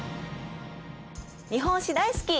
日本史大好き！